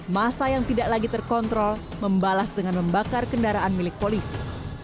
masa yang tidak lagi terkontrol membalas dengan membakar kendaraan milik polisi